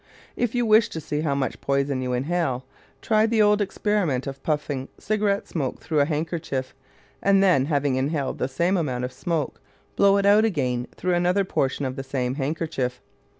If you wish to see how much poison you inhale, try the old experiment of puffing cigarette smoke through a handkerchief, and then, having inhaled the same amount of smoke, blow it out again through another portion of the same handkerchief.